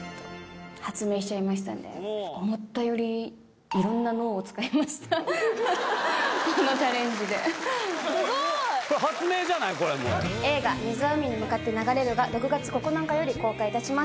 思ったよりこのチャレンジですごーい映画「水は海に向かって流れる」が６月９日より公開いたします